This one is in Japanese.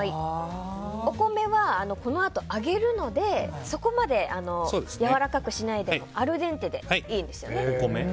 お米は、このあと揚げるのでそこまでやわらかくしないでアルデンテでいいんですよね。